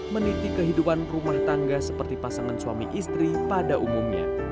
meniti kehidupan rumah tangga seperti pasangan suami istri pada umumnya